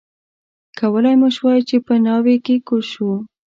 کولای مو شوای چې په ناوې کې کوز شو.